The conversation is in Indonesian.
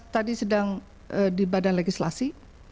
tadi sedang di badan legislasi